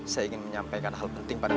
saya ingin menyampaikan hal penting pada